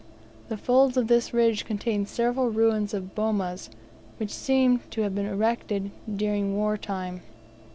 The folds of this ridge contained several ruins of bomas, which seemed to have been erected during war time.